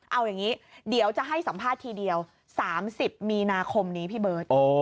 เอาอย่างนี้เดี๋ยวจะให้สัมภาษณ์ทีเดียว๓๐มีนาคมนี้พี่เบิร์ต